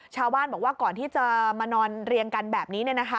ชาวบ้านบอกว่าก่อนที่จะมานอนเรียงกันแบบนี้